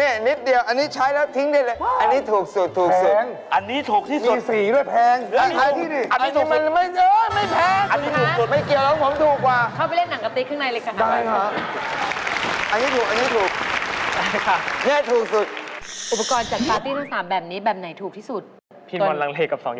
นี่นิดเดียวอันนี้ใช้แล้วทิ้งได้เลย